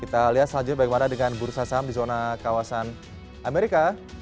kita lihat selanjutnya bagaimana dengan bursa saham di zona kawasan amerika